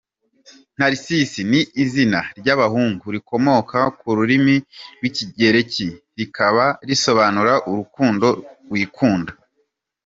Narcisse ni izina ry’abahngu rikomoka ku rurimi rw’Ikigereki rikaba risobanura “Urukundo wikunda”.